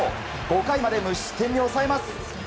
５回まで無失点に抑えます。